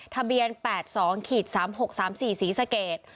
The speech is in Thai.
ทะเบียน๘๒๓๖๓๔ศรีสเกต